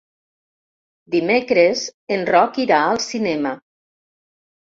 Dimecres en Roc irà al cinema.